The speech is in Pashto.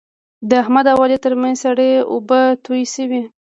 د احمد او علي ترمنځ سړې اوبه تویې شوې.